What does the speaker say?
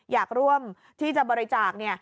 อยากร่วมที่จะบริจาค